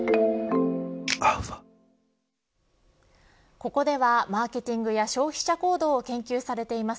ここではマーケティングや消費者行動を研究されています